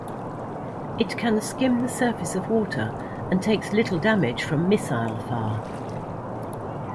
It can skim the surface of water and takes little damage from missile fire.